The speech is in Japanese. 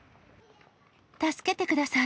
助けてください。